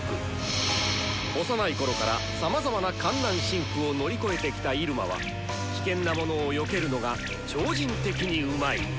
幼い頃からさまざまなかん難辛苦を乗り越えてきた入間は危険なものをよけるのが超人的にうまい。